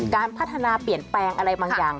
การพัฒนาเปลี่ยนแปลงอะไรบางอย่าง